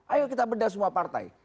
ayo kita bedah semua partai